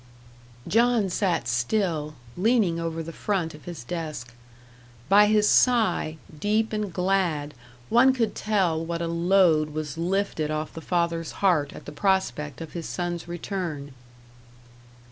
John sat still, leaning over the front of his desk. By his sigh, deep and glad, one could tell what a load was lifted off the father's heart at the prospect of his son's return.